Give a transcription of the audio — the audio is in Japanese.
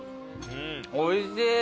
おいしい。